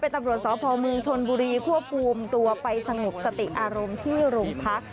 ตำรวจสพเมืองชนบุรีควบคุมตัวไปสงบสติอารมณ์ที่โรงพัก